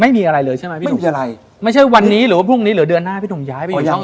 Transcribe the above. ไม่มีอะไรเลยใช่ไหมพี่ไม่มีอะไรไม่ใช่วันนี้หรือว่าพรุ่งนี้หรือเดือนหน้าพี่หนุ่มย้ายไปหมดยัง